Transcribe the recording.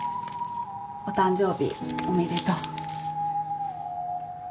お誕生日おめでとう。